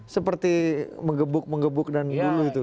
seperti mengebuk mengebuk dan bulu itu